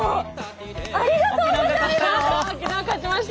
ありがとうございます！